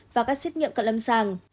và các xét nghiệm cận lâm sàng